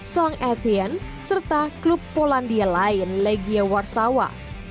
song aethean serta klub polandia lain legia warsawa